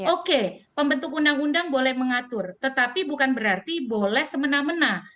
oke pembentuk undang undang boleh mengatur tetapi bukan berarti boleh semena mena